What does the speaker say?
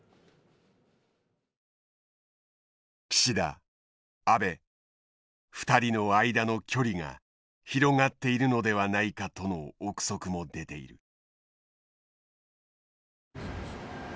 岸田安倍２人の間の距離が広がっているのではないかとの臆測も出ている。